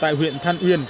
tại huyện than uyên